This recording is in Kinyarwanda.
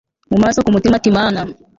mumaso kumutima ati mana